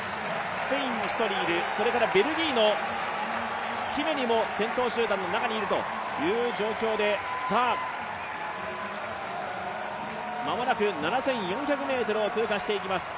スペインに１人、ベルギーのキメリも先頭集団の中にいるという状況で間もなく７４００ｍを通過していきます